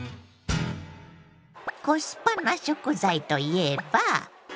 コスパな食材といえば。